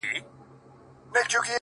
د آذر بت مات سو چي کله آبراهيم راغی!!